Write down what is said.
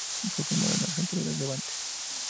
Fue formado en la cantera del Levante.